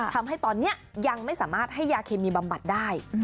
ทำให้ตอนนี้ยังไม่สามารถให้ยาเคมีบำบัดได้